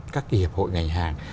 các kỳ hiệp hội ngành hàng